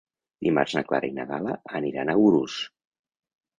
Dimarts na Clara i na Gal·la aniran a Urús.